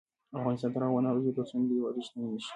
افغانستان تر هغو نه ابادیږي، ترڅو ملي یووالی رښتینی نشي.